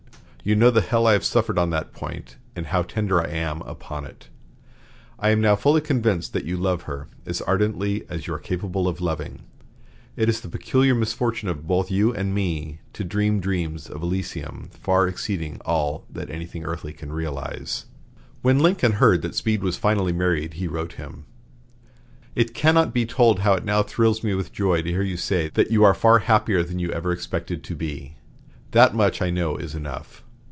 You know the hell I have suffered on that point, and how tender I am upon it.... I am now fully convinced that you love her, as ardently as you are capable of loving.... It is the peculiar misfortune of both you and me to dream dreams of Elysium far exceeding all that anything earthly can realize." When Lincoln heard that Speed was finally married, he wrote him: "It cannot be told how it now thrills me with joy to hear you say you are 'far happier than you ever expected to be,' That much, I know, is enough.